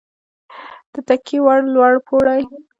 د تکیې وړ لوړ پوړی